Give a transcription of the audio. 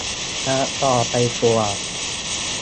การ์ดจอไปตัว